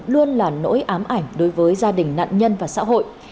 luôn là nỗi ám ảnh đối với gia đình nạn nhân và xã hội